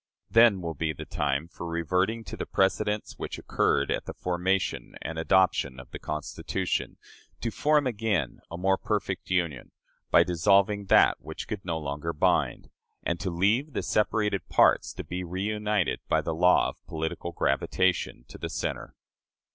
Then will be the time for reverting to the precedents which occurred at the formation and adoption of the Constitution, to form again a more perfect Union, by dissolving that which could no longer bind, and to leave the separated parts to be reunited by the law of political gravitation to the center."